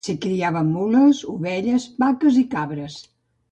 S'hi criaven mules, ovelles, vaques i cabres.